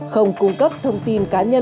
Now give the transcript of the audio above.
không cung cấp thông tin cá nhân công pháp